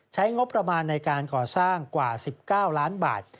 ใช้งบประมาณในการก่อสร้างกว่า๑๙ล้านบาท